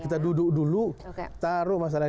kita duduk dulu taruh masalah